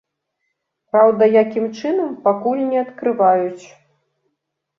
Праўда, якім чынам, пакуль не адкрываюць.